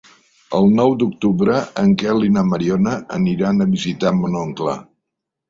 El nou d'octubre en Quel i na Mariona aniran a visitar mon oncle.